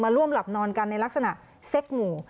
ร่วมหลับนอนกันในลักษณะเซ็กหมู่